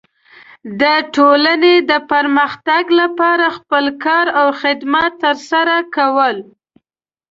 د ټولنې د پرمختګ لپاره خپل کار او خدمت ترسره کول.